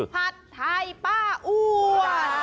ผัดไทยป้าอ้วน